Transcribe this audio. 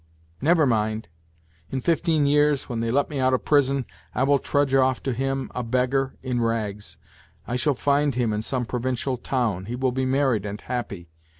Never mind ! In fifteen years when they let me out of prison I will trudge off to him, a beggar, in rags. I shall find him in some provincial town. He will be married and happy.